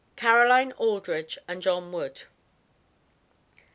CAROLINE ALDRIDGE AND JOHN WOOD.